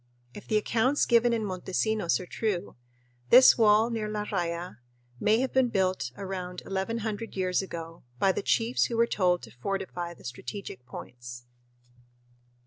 If the accounts given in Montesinos are true, this wall near La Raya may have been built about 1100 years ago, by the chiefs who were told to "fortify the strategic points."